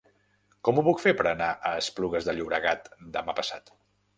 Com ho puc fer per anar a Esplugues de Llobregat demà passat?